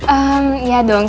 ehm ya dong